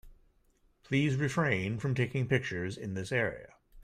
Please refrain from taking pictures in this area.